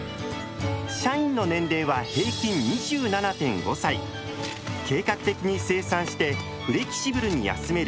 社員の年齢は計画的に生産してフレキシブルに休める！